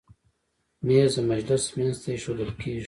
مېز د مجلس منځ ته ایښودل کېږي.